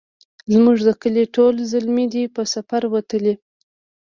زموږ د کلې ټول زلمي دی په سفر وتلي